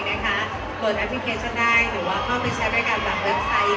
เปิดแอปพลิเคชันได้หรือเข้าไปใช้ประกันบังแว็กไซต์